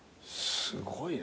すごいね。